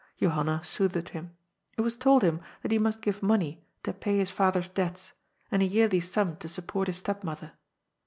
Johanna soothed him. It was told him that he must give money to pay his father's debts, and a yearly sum to support his step^mother.